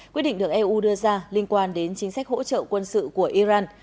quyết định được eu đưa ra liên quan đến chính sách hỗ trợ quân sự của iran